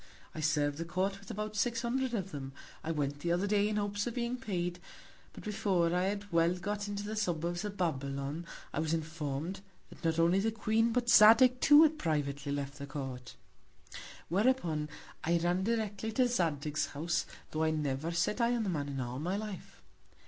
I serv'd the Court with about six Hundred of them, I went the other Day in Hopes of being paid; but before I had well got into the Suburbs of Babylon, I was inform'd, that not only the Queen, but Zadig too had privately left the Court: Whereupon I ran directly to Zadig's House, tho' I never sat Eye on the Man in all my Life.